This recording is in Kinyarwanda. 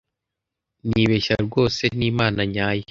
Nibeshya rwose n’Imana nyayo.